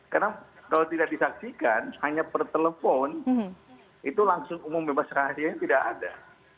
karena kalau tidak disaksikan hanya pertelepon itu langsung umum bebas rahasianya tidak ada